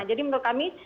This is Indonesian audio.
jadi menurut kami